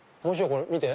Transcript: これ見て。